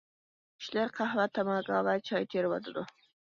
كىشىلەر قەھۋە، تاماكا ۋە چاي تېرىۋاتىدۇ.